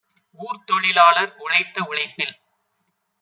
ஊர்த்தொழி லாளர் உழைத்த உழைப்பில்